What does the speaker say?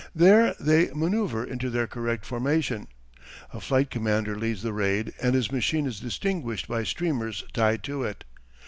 There they manoeuvre into their correct formation. A flight commander leads the raid and his machine is distinguished by streamers tied to it.